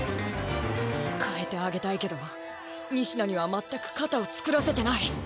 代えてあげたいけど仁科には全く肩をつくらせてない！